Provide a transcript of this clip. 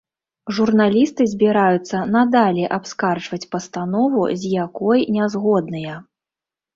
Журналісты збіраюцца надалей абскарджваць пастанову, з якой не згодныя.